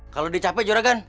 kalau dicapai juragan